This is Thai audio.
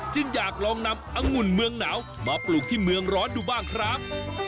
อยากลองนำอังุ่นเมืองหนาวมาปลูกที่เมืองร้อนดูบ้างครับ